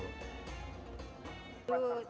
masjid amirul mukminin dituan kamil